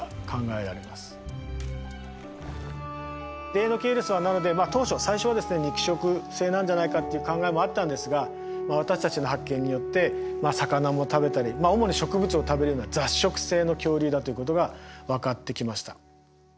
デイノケイルスはなので当初最初はですね肉食性なんじゃないかっていう考えもあったんですが私たちの発見によって魚も食べたり主に植物を食べるような雑食性の恐竜だということが分かってきました。